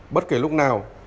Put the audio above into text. bất kể lúc nào